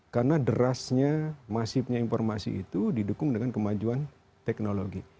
karena derasnya masifnya informasi itu didukung dengan kemajuan teknologi